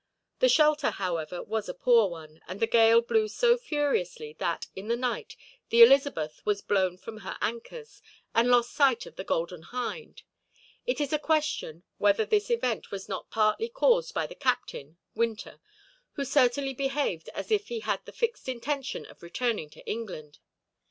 The shelter, however, was a poor one, and the gale blew so furiously that, in the night, the Elizabeth was blown from her anchors, and lost sight of the Golden Hind. It is a question whether this event was not partly caused by the captain, Winter, who certainly behaved as if he had the fixed intention of returning to England.